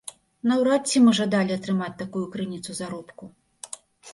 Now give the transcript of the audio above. Наўрад ці мы жадалі атрымаць такую крыніцу заробку.